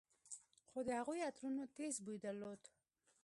خو د هغوى عطرونو تېز بوى درلود.